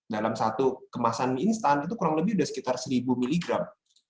dalam satu kemasan mie instan itu kurang lebih sudah sekitar seribu miligram